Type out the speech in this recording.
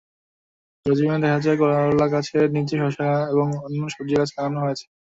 সরেজমিনে দেখা যায়, করলাগাছের নিচে শসা এবং অন্যান্য সবজির গাছ লাগানো হয়েছে।